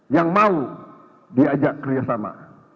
yang mau diajak kerjasama